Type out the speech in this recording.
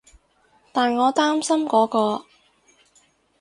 但我擔心嗰個